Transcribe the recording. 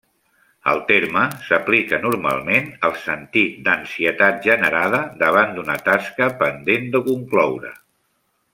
El terme s'aplica normalment al sentit d'ansietat generada davant d'una tasca pendent de concloure.